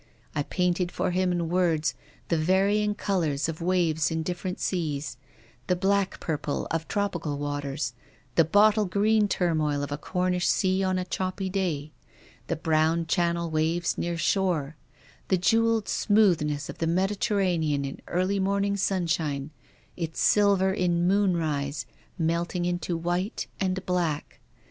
I painted for him in words the varying colours of waves in different seas, the black purple of tropical waters, the bottle green turmoil of a Cornish sea on a choppy day, the brown channel waves near shore, the jewelled smoothness of the Mediterranean in early morning sunshine, its silver in moonrise, melting into white and black.